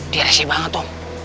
dia resih banget om